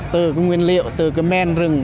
từ nguyên liệu từ men rừng